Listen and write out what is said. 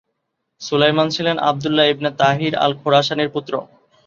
সুলাইমান ছিলেন Abdullah ibn Tahir আল-খোরাসানির পুত্র।